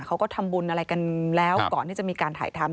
เขาก็ทำบุญอะไรกันแล้วก่อนที่จะมีการถ่ายทำ